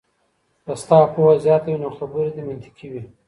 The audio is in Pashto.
که ستا پوهه زياته وي نو خبري دې منطقي وي.